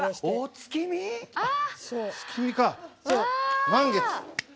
月見か、満月。